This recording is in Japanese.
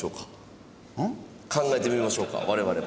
考えてみましょうか我々も。